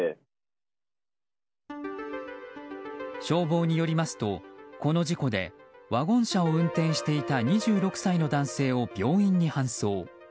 消防によりますとこの事故でワゴン車を運転していた２６歳の男性を病院に搬送。